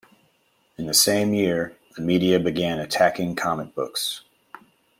In the same year, the media began attacking comic books.